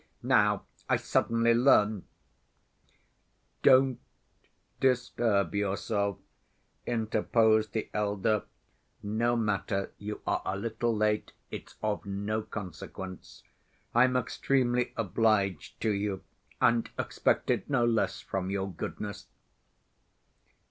Now I suddenly learn—" "Don't disturb yourself," interposed the elder. "No matter. You are a little late. It's of no consequence...." "I'm extremely obliged to you, and expected no less from your goodness."